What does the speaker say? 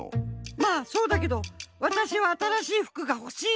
まあそうだけどわたしはあたらしい服がほしいの。